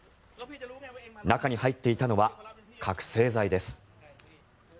中に入っていたのは覚醒剤です。